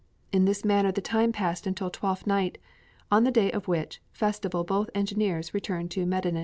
In this manner the time passed until Twelfth Night, on the day of which festival both engineers returned to Medinet.